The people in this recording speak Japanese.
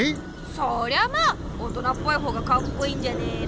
そりゃまあ大人っぽい方がかっこいいんじゃねの？